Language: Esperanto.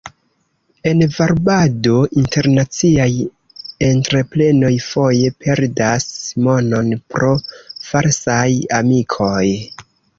En varbado, internaciaj entreprenoj foje perdas monon pro falsaj amikoj.